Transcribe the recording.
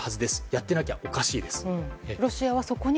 やっていなきゃおかしいです。